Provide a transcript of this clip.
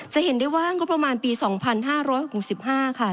จะเห็นได้ว่างงบประมาณปี๒๕๖๕ค่ะ